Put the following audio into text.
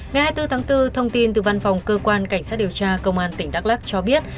ngày hai mươi bốn tháng bốn thông tin từ văn phòng cơ quan cảnh sát điều tra công an tỉnh đắk lắc cho biết